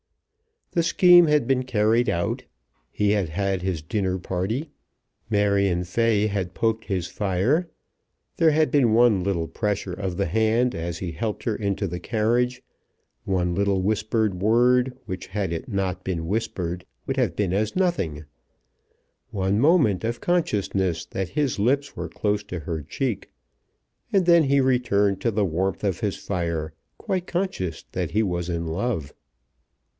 The scheme had been carried out; he had had his dinner party; Marion Fay had poked his fire; there had been one little pressure of the hand as he helped her into the carriage, one little whispered word, which had it not been whispered would have been as nothing; one moment of consciousness that his lips were close to her cheek; and then he returned to the warmth of his fire, quite conscious that he was in love.